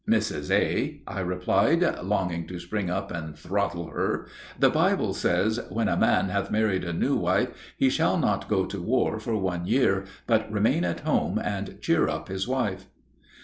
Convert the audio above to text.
"Mrs. A.," I replied, longing to spring up and throttle her, "the Bible says, 'When a man hath married a new wife, he shall not go to war for one year, but remain at home and cheer up his wife.'"